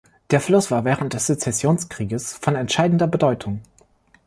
Der Fluss war während des Sezessionskrieges von entscheidender Bedeutung.